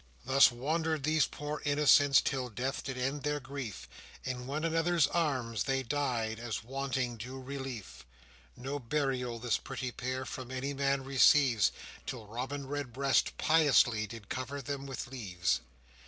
Thus wandered these poor innocents, Till death did end their grief; In one another's arms they died, As wanting due relief: No burial this pretty pair From any man receives, Till Robin Redbreast piously Did cover them with leaves.